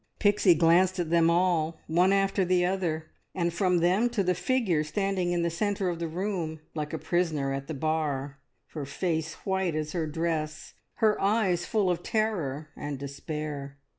Pixie glanced at them all, one after the other, and from them to the figure standing in the centre of the room, like a prisoner at the bar, her face white as her dress, her eyes full of terror and despair.